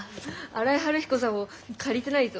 荒井晴彦さんを借りてないぞ。